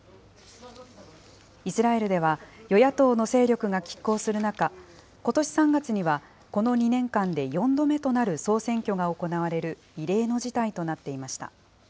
イスラエルでは、与野党の勢力がきっ抗する中、ことし３月にはこの２年間で４度目となる総選挙が行われる異例の事態となっていました。